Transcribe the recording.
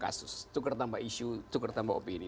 kasus tukar tambah isu tukar tambah opini